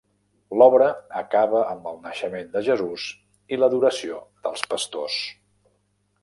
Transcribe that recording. L'obra acaba amb el naixement de Jesús i l'adoració dels pastors.